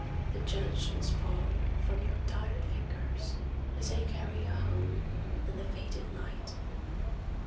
The gentians fall from your tired fingers As I carry you home in the fading light.